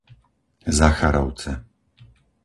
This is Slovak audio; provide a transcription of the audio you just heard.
Zacharovce